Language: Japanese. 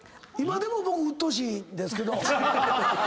今でも僕うっとうしいですけど。